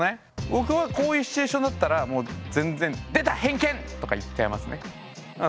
僕はこういうシチュエーションだったらもう全然「出た！偏見！」とか言っちゃいますね。